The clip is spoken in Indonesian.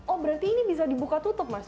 oh berarti ini bisa dibuka tutup mas